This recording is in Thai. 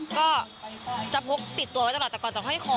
ก็จะพกติดตัวไว้ตลอดแต่ก่อนจะห้อยคอ